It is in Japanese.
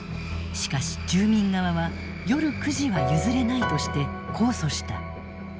しかし住民側は夜９時は譲れないとして控訴した。